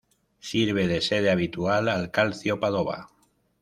Sirve de sede habitual al Calcio Padova.